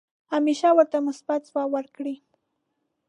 همیشه ورته مثبت ځواب ورکړئ .